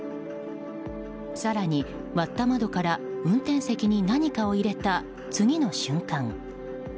更に割った窓から運転席に何かを入れた次の瞬間